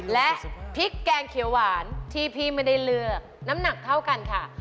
และพริกแกงเขียวหวานที่พี่ไม่ได้เลือกน้ำหนักเท่ากันค่ะ